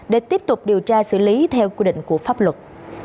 để tiếp tục điều tra xử lý theo quy định của pháp luật